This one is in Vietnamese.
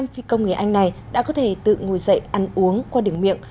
năm phi công người anh này đã có thể tự ngồi dậy ăn uống qua điểm miệng